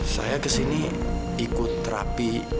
saya kesini ikut terapi